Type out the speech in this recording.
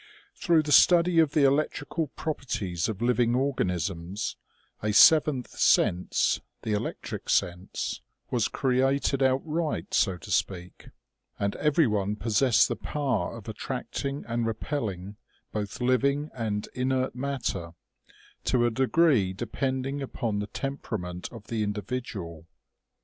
Through the study of the electrical properties of living organisms, a seventh sense, the electric sense, was created outright, so to speak ; and everyone possessed the power of attracting and repelling both living and inert matter, to a degree depending upon the temperament of the individual.